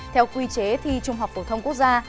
theo quy chế thi trung học phổ thông quốc gia